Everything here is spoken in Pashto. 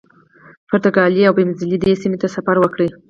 پرتګالي اوبمزلي دې سیمې ته سفر وکړ.